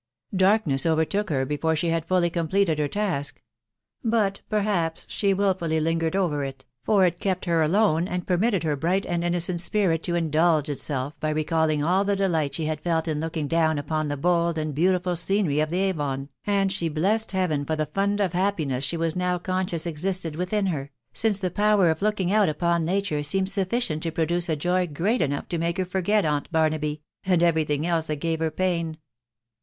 Darkness overtook her before she had fully cosnpleafdheif task ; but, perhaps, she wilfully lingered over it, for it Istpt her alone, and permitted her bright and innocent spirit to in dulge itself by recalling all the delight she had felt in looking down upon the bold and beautiful scenery of the Avon, and she blessed Heaven for the fund of happiness she was now can* scious existed within her, since the power of looking out upon nature seemed sufficient to produce a joy great enough to make her forget aunt Barnaby, and every thing else that gave* her pain.